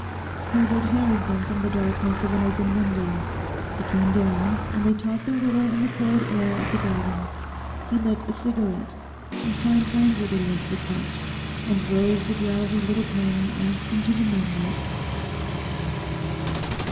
Herbert hailed them from the darkness of an open window. He came down, and they talked a little in the cold air of the garden. He lit a cigarette, and climbed languidly into the cart, and drove the drowsy little pony off into the moonlight.